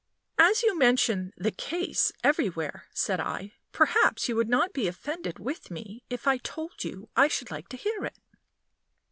"As you mention 'the case' everywhere," said I, "perhaps you would not be offended with me if I told you I should like to hear it?"